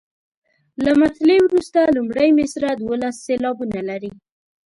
له مطلع وروسته لومړۍ مصرع دولس سېلابونه لري.